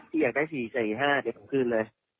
อยากได้๔๔๕เดี๋ยวผมคืนเลย